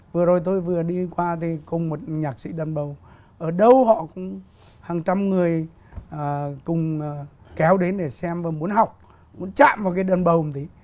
vừa rồi tôi vừa đi qua thì cùng một nhạc sĩ đân bầu ở đâu họ cũng hàng trăm người cùng kéo đến để xem và muốn học muốn chạm vào cái đân bầu một tí